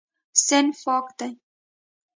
صنف پاک دی.